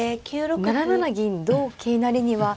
７七銀同桂成には。